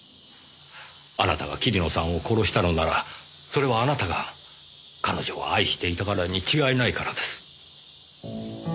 あなたが桐野さんを殺したのならそれはあなたが彼女を愛していたからに違いないからです。